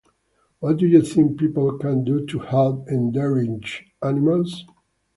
What do you think people can do to help endangered animals?